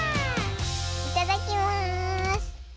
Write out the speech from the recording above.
いただきます。